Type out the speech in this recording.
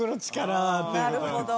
なるほど。